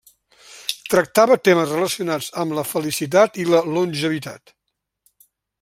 Tractava temes relacionats amb la felicitat i la longevitat.